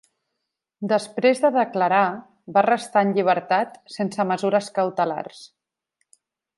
Després de declarar, va restar en llibertat sense mesures cautelars.